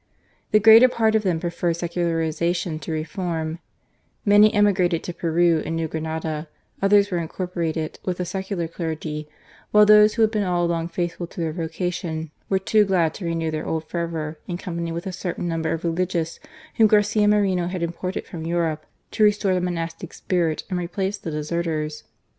The greater part of them preferred secularization to reform : many emigrated to Peru and New Granada, others were incorporated with the secular clergy, while those w^ho had been all along faithful to their vocation, were too glad to renew their old fervour in company with a certain number of religious whom Garcia Moreno had imported from Europe to restore the monastic spirit and replace the deserters.